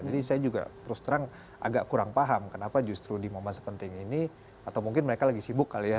saya juga terus terang agak kurang paham kenapa justru di momen sepenting ini atau mungkin mereka lagi sibuk kali ya